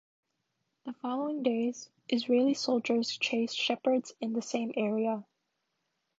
The following days, Israeli soldiers chased shepherds in the same area.